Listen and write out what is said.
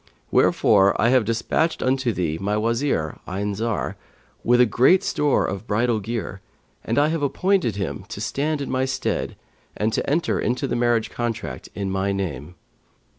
Wherefore I have despatched unto thee my Wazir Ayn Zar, with great store of bridal gear, and I have appointed him to stand in my stead and to enter into the marriage contract in my name.